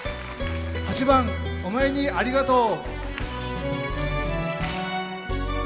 ８番「おまえにありがとう」。